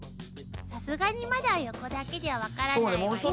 さすがにまだ横だけじゃ分からないわよね。